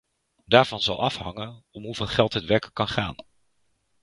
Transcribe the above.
Daarvan zal afhangen om hoeveel geld het werkelijk kan gaan.